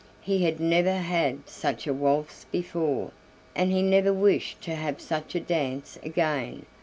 He had never had such a waltz before, and he never wished to have such a dance again.